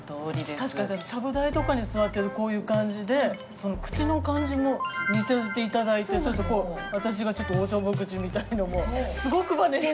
確かにちゃぶ台とかに座ってるとこういう感じで口の感じも似せて頂いてちょっとこう私がちょっとおちょぼ口みたいのもすごくまねして。